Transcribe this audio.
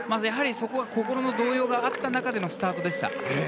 そこは心の動揺があった中でのスタートでした。